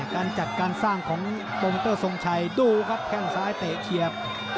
การจัดการสร้างของโปรโมเตอร์ทรงชัยดูครับแข้งซ้ายเตะเฉียบ